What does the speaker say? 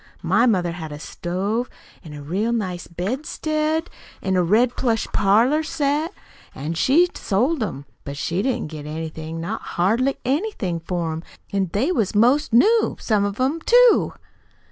My mother had a stove an' a real nice bedstead, an' a red plush parlor set, an' she sold 'em. But she didn't get anything not hardly anything, for 'em; an' they was 'most new, some of 'em, too."